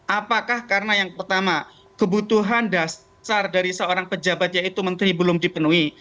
apakah karena yang pertama kebutuhan dasar dari seorang pejabat yaitu menteri belum dipenuhi